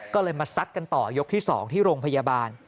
ก็เลยมาซัดกันต่อยกที่๒ที่โรงพยาบาล